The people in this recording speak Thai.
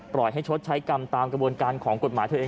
ให้ชดใช้กรรมตามกระบวนการของกฎหมายเธอเอง